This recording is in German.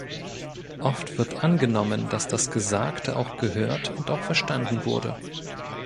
Oft wird angenommen, dass das Gesagte auch gehört und auch verstanden wurde.